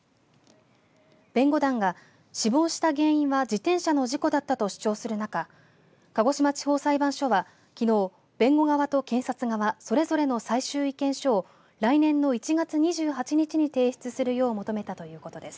弁護団が死亡した原因は自転車の事故だったと主張する中鹿児島地方裁判所はきのう弁護側と検察側それぞれの最終意見書を来年の１月２８日に提出するよう求めたということです。